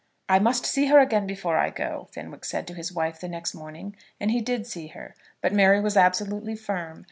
"I must see her again before I go," Fenwick said to his wife the next morning. And he did see her. But Mary was absolutely firm.